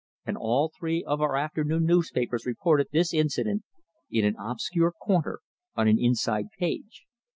And all three of our afternoon newspapers reported this incident in an obscure corner on an inside page.